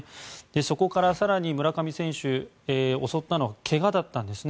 そこから更に村上選手を襲ったのは怪我だったんですね。